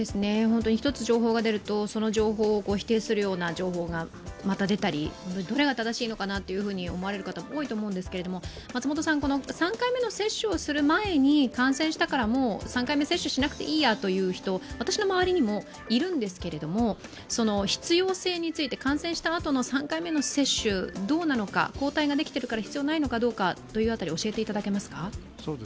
１つ情報が出ると、その情報を否定するような情報がまた出たり、どれが正しいのかなって思われる方も多いのかなと思うんですけどこの３回目の接種をする前に感染したから、もう接種しなくてもいいやという人、私の周りにもいるんですけども、必要性について、感染したあとの３回目の接種、どうなのか抗体ができているから必要ないのか、教えていただけますか？